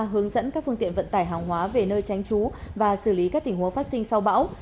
hướng dẫn các phương tiện vận tải hàng hóa về nơi tránh trú và xử lý các tình huống phát sinh sau bão